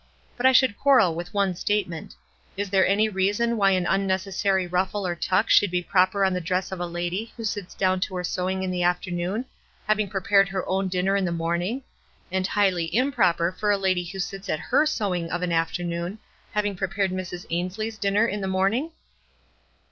But I should quarrel with one statement. Is there any reason why an unnecessary ruffle or tuck should be proper on the dress of a lady who sits down to her sewing in the afternoon, having prepared her own dinner in the morn ing, and highly improper for a lady who sits at her sewing of an afternoon, having prepared Mrs. Ainslie's dinner in the morning?"